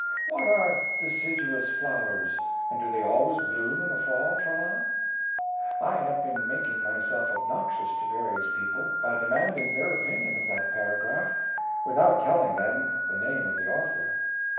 What are deciduous flowers, and do they always "bloom in the fall, tra la"? I have been making myself obnoxious to various people by demanding their opinion of that paragraph without telling them the name of the author.